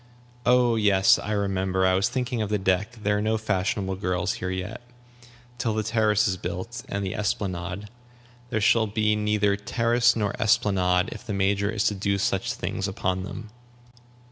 "Oh yes, I remember! I was thinking of the deck. There are no fashionable girls here yet. Till the terrace is built, and the esplanade " "There shall be neither terrace nor esplanade if the Major is to do such things upon them."